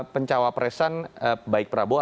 pencawapresan baik prabowo